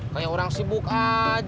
kayak orang sibuk aja